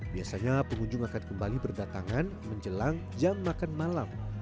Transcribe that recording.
biasanya pengunjung akan kembali berdatangan menjelang jam makan malam